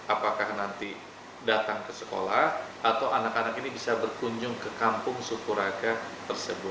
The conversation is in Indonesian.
apakah nanti datang ke sekolah atau anak anak ini bisa berkunjung ke kampung sukuraga tersebut